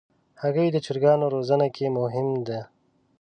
هګۍ د چرګانو روزنه کې مهم ده.